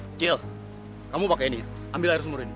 sucil kamu pakai ini ambil air sumber ini